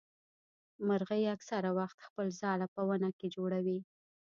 مرغۍ اکثره وخت خپل ځاله په ونه کي جوړوي.